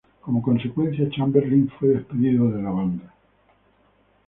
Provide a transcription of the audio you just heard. Como consecuencia, Chamberlin fue despedido de la banda.